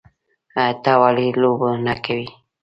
_ته ولې لوبه نه کوې؟